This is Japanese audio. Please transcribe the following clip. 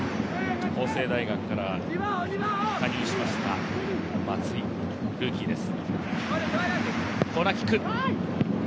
法政大学から加入しました松井、ルーキーです。